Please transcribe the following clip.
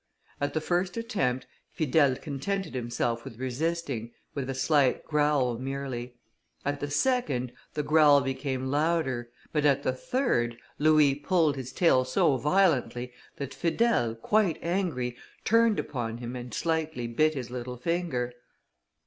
At the first attempt, Fidèle contented himself with resisting, with a slight growl merely; at the second, the growl became louder, but at the third, Louis pulled his tail so violently, that Fidèle, quite angry, turned upon him and slightly bit his little finger.